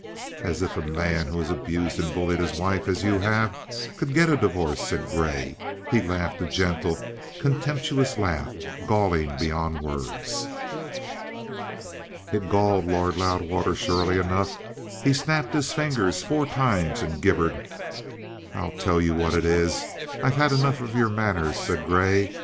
"As if a man who has abused and bullied his wife as you have could get a divorce!" said Grey, and he laughed a gentle, contemptuous laugh, galling beyond words. It galled Lord Loudwater surely enough; he snapped his fingers four times and gibbered. "I tell you what it is: I've had enough of your manners," said Grey.